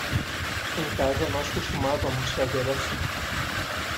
Em casa nós costumávamos fazer assim.